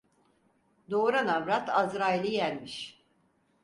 Doğuran avrat Azrail'i yenmiş.